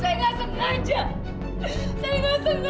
iya ini betul